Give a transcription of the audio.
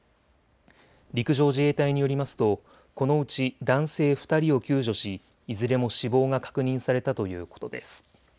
陸上自衛隊によりますとこのうち男性２人を救助し、いずれも死亡が確認されたということです。